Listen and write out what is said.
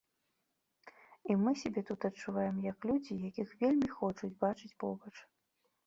І мы сябе тут адчуваем як людзі, якіх вельмі хочуць бачыць побач.